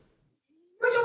よいしょ！